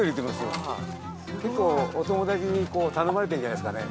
結構お友達に頼まれてるんじゃないですかね。